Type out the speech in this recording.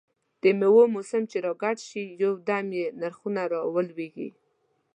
دمېوو موسم چې را ګډ شي، یو دم یې نرخونه را ولوېږي.